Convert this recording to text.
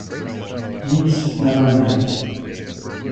Yeats never married.